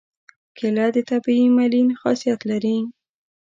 کېله د طبیعي ملین خاصیت لري.